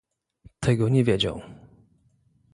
"tego nie wiedział."